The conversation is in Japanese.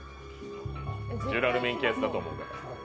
ジュラルミンケースだと思う方？